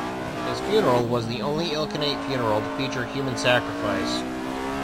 His funeral was the only Ilkhanate funeral to feature human sacrifice.